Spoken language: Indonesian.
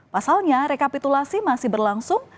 pasalnya rekapitulasi masih berlangsung